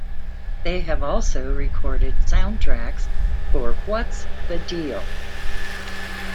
They have also recorded soundtracks for What's The Deal?